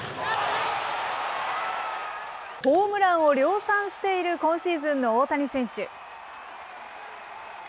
ホームランを量産している今シーズンの大谷選手。